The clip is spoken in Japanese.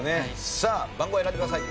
さあ番号選んでください。